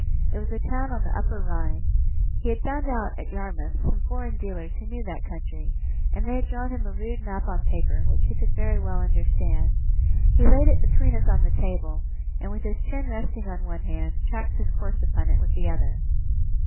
It was a town on the Upper Rhine. He had found out, at Yarmouth, some foreign dealers who knew that country, and they had drawn him a rude map on paper, which he could very well understand. He laid it between us on the table; and, with his chin resting on one hand, tracked his course upon it with the other.